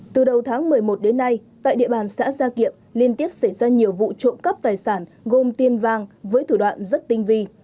từ đầu tháng một mươi một đến nay tại địa bàn xã gia kiệm liên tiếp xảy ra nhiều vụ trộm cắp tài sản gồm tiền vàng với thủ đoạn rất tinh vi